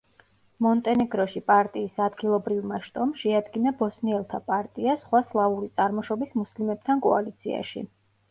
მონტენეგროში პარტიის ადგილობრივმა შტომ შეადგინა ბოსნიელთა პარტია სხვა სლავური წარმოშობის მუსლიმებთან კოალიციაში.